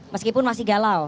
meskipun masih galau